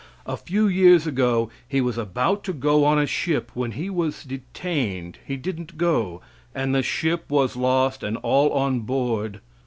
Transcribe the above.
A few years ago he was about to go on a ship when he was detained; he didn't go, and the ship was lost and all on board.